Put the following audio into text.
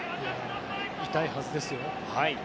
痛いはずですよ。